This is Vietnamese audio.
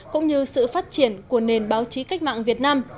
cũng như sự phát triển của nền báo chí cách mạng việt nam